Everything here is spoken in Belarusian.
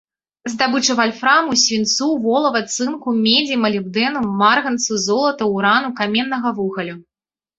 Здабыча вальфраму, свінцу, волава, цынку, медзі, малібдэну, марганцу, золата, урану, каменнага вугалю.